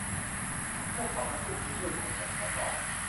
พวกเขาทั้งคู่คือเพื่อนของฉัน เขาตอบ